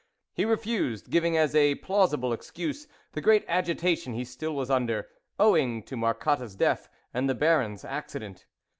He refused, giving as a plausible excuse, the great agitation he still was under, owing to Marcotte's death and the Baron's acci dent.